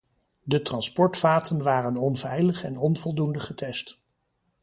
De transportvaten waren onveilig en onvoldoende getest.